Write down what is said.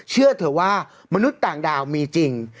เชื่อเถอะว่ามนุษย์ต่างดาวมีจริง